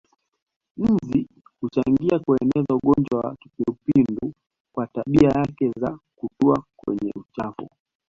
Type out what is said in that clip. Nzi huchangia kueneza ugonjwa wa kipindupindu kwa tabia yake za kutua kwenye uchafu